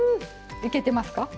いけてますか？